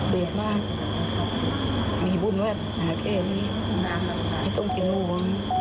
เบียดมากมีบุญวัฒนาแค่นี้ไม่ต้องทิ้งห่วง